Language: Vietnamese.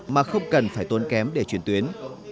mà không cần phải tốn kém để chuyển tuyến